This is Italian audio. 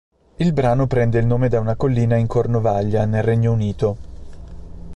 Il brano prende il nome da una collina in Cornovaglia, nel Regno Unito.